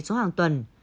xuống hàng tuần